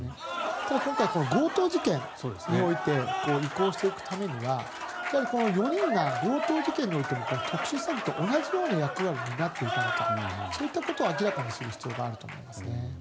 ただ、今回、強盗事件において移行していくためにはやはり、この４人が強盗事件においても特殊詐欺と同じような役割を担っていたのかそういったことを明らかにする必要があると思います。